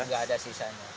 nggak ada sisanya